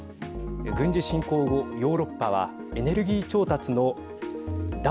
軍事侵攻後ヨーロッパはエネルギー調達の脱